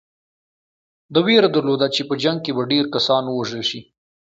ده وېره درلوده چې په جنګ کې به ډېر کسان ووژل شي.